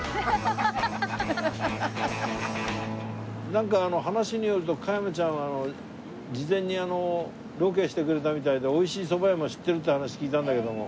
なんか話によると加山ちゃんは事前にロケしてくれたみたいで美味しいそば屋も知ってるって話聞いたんだけども。